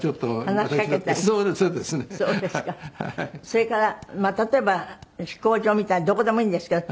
それからまあ例えば飛行場みたいにどこでもいいんですけど。